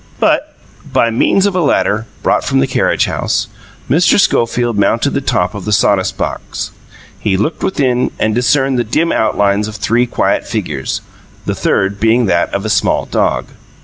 But by means of a ladder, brought from the carriage house, Mr. Schofield mounted to the top of the sawdust box. He looked within, and discerned the dim outlines of three quiet figures, the third being that of a small dog.